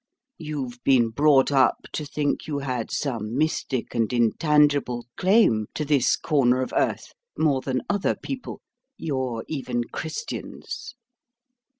You've been brought up to think you had some mystic and intangible claim to this corner of earth more than other people, your even Christians.